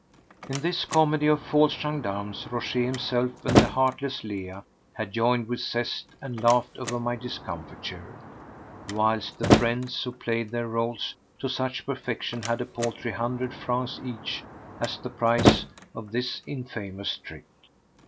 In this comedy of false gendarmes Rochez himself and the heartless Leah had joined with zest and laughed over my discomfiture, whilst the friends who played their rôles to such perfection had a paltry hundred francs each as the price of this infamous trick.